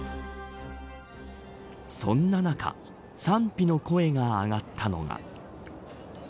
そんな中賛否の声が上がったのが。